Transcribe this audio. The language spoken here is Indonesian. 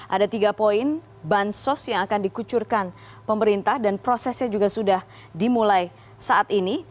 ada tiga poin bansos yang akan dikucurkan pemerintah dan prosesnya juga sudah dimulai saat ini